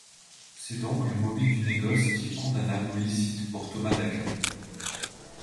C'est donc le mobile du négoce qui est condamnable ou licite pour Thomas d'Aquin.